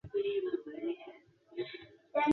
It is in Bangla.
ঠিক একটি পরিবারের মতো।